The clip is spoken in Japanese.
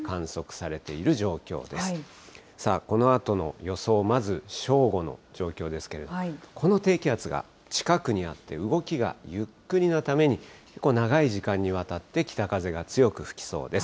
さあ、このあとの予想、まず正午の状況ですけど、この低気圧が近くにあって、動きがゆっくりなために、結構長い時間にわたって北風が強く吹きそうです。